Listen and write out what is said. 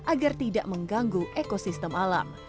agar tidak mengganggu ekosistem alam